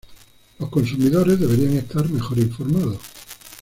Los consumidores deberían estar mejor informados.